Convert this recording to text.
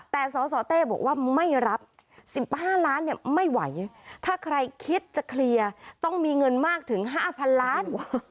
ถ้าใครคิดจะเคลียร์ต้องมีเงินมากถึง๕พันล้าน